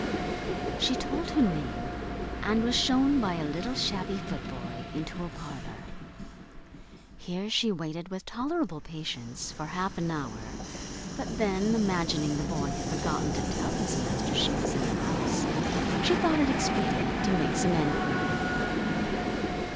She told her name, and was shewn, by a little shabby footboy, into a parlour. Here she waited, with tolerable patience, for half an hour, but then, imagining the boy had forgotten to tell his master she was in the house, she thought it expedient to make some enquiry.